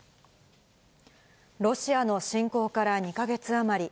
ロシアの侵攻から２か月余り。